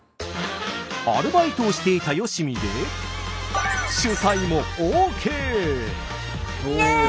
アルバイトをしていたよしみでイエイ！